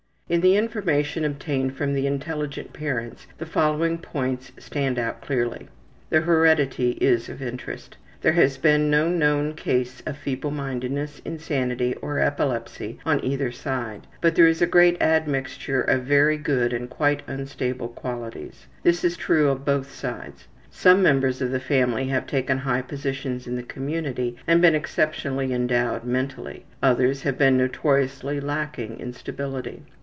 In the information obtained from the intelligent parents the following points stand out clearly. The heredity is of interest. There has been no known case of feeblemindedness, insanity, or epilepsy on either side, but there is a great admixture of very good with quite unstable qualities. This is true of both sides. Some members of the family have taken high positions in the community, and been exceptionally endowed mentally. Others have been notoriously lacking in stability.